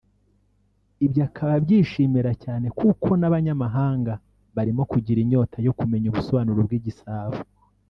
Ibyo akaba abyishimira cyane kuko n'abanyamahanga barimo kugira inyota yo kumenya ubusobanuro bw'igisabo